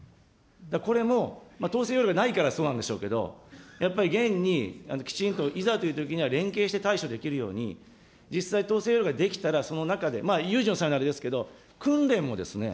これも統制要領がないからそうなんでしょうけど、やっぱり現に、きちんと、いざというときには連携して対処できるように、実際、統制要領ができたらその中で、有事の際はあれですけど、訓練もですね、